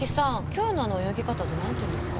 今日のあの泳ぎ方ってなんていうんですか？